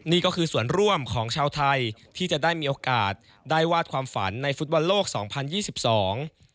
นี่ก็คือส่วนร่วมของชาวไทยที่จะได้มีโอกาสได้วาดความฝันในฟุตบอลโลกสองพันยี่สิบสอง